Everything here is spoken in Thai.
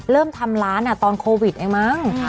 เริ่มทำร้านตอนโควิดเองมั้ง